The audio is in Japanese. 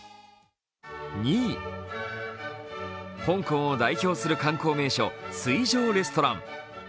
２位、香港を代表する観光名所、水上レストラン。